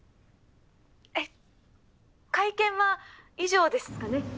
えっ会見は以上ですかね？